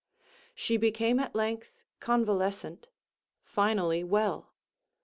She became at length convalescent—finally well.